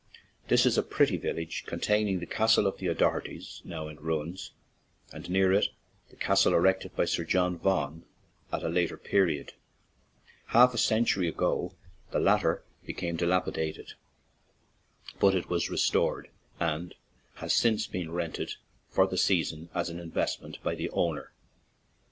This is a pretty village containing the castle of the O'Dochertys, now in ruins, and near it the castle erected by Sir John Vaughan at a later period. Half a century ago the latter became dilapidated, but it was re stored and has ever since been rented "for the season/' as an investment by the owner.